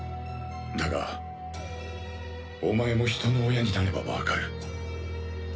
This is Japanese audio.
だがお前も人の親になればわかる。